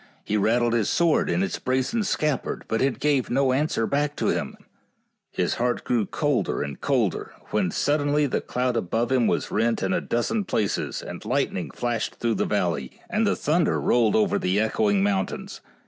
He rattled his sword in its brazen scabbard, but it gave no answer back to him. His heart grew colder and colder, when suddenly the cloud above THE ENCHANTED CAVE 65 him was rent in a dozen places, and lightning flashed through the valley, and the thunder rolled over the echoing mountains.